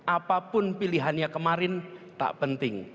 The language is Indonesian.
apapun pilihannya kemarin tak penting